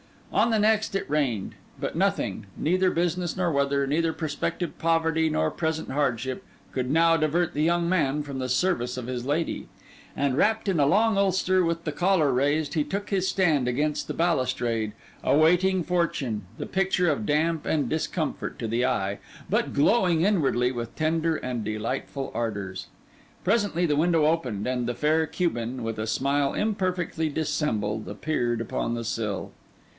On the next it rained; but nothing, neither business nor weather, neither prospective poverty nor present hardship, could now divert the young man from the service of his lady; and wrapt in a long ulster, with the collar raised, he took his stand against the balustrade, awaiting fortune, the picture of damp and discomfort to the eye, but glowing inwardly with tender and delightful ardours. Presently the window opened, and the fair Cuban, with a smile imperfectly dissembled, appeared upon the sill.